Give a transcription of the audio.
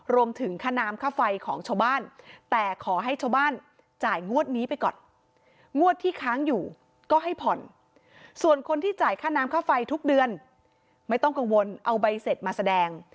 รวมถึงค่าน้ำค่าไฟของชาวบ้านแต่ขอให้ชาวบ้านจ่ายงวดนี้ไปก่อนงวดที่ค้างอยู่ก็ให้ผ่อนส่วนคนที่จ่ายค่าน้ำค่าไฟทุกเดือนไม่ต้องกังวลเอาใบเสร็จมาแสดง